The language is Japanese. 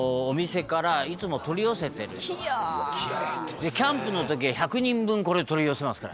「でキャンプの時は１００人分これを取り寄せますから」